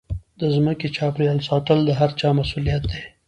د ځمکې چاپېریال ساتل د هرچا مسوولیت دی.